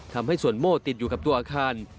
ทำให้ส่วนโม่ติดอยู่กับตัวอาคาร